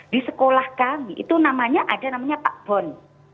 di sekolah kami itu namanya ada namanya pak bon